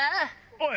おい！